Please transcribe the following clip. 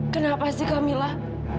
kenapa sih kamilah